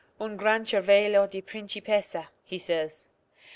"Un gran cervello di principessa," he says.